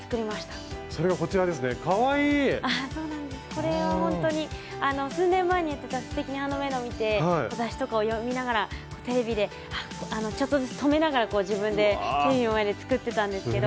これはほんとに数年前にやってた「すてきにハンドメイド」を見て雑誌とかを読みながらテレビでちょっとずつ止めながら自分でテレビの前で作ってたんですけど。